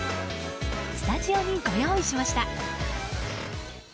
スタジオにご用意しました。